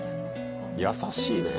優しいね。